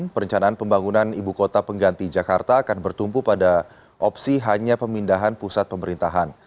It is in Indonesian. perencanaan pembangunan ibu kota pengganti jakarta akan bertumpu pada opsi hanya pemindahan pusat pemerintahan